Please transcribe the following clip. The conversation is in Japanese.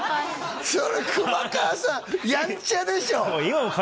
そりゃ熊川さんやんちゃでしょ？